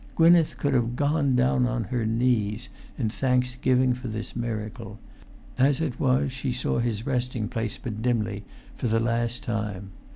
Gwynneth could have gone down on her knees in thanksgiving for this miracle; as it was she saw his resting place but dimly for the last time.